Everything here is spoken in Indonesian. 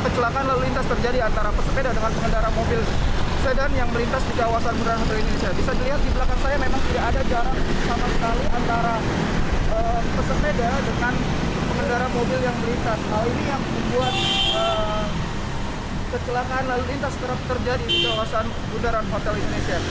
kecelakaan lalu lintas terjadi di daerah daerah hotel indonesia